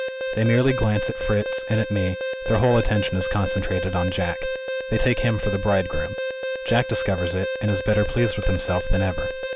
They merely glance at Fritz and at me their whole attention is concentrated on Jack. They take him for the bridegroom. Jack discovers it; and is better pleased with himself than ever.